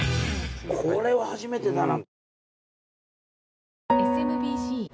これは初めてだな。